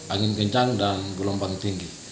angin kencang dan gelombang tinggi